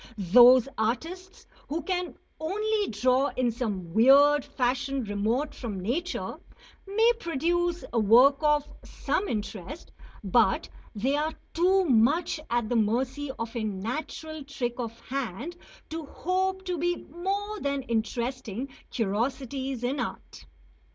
Those artists who can only draw in some weird fashion remote from nature may produce work of some interest; but they are too much at the mercy of a natural trick of hand to hope to be more than interesting curiosities in art.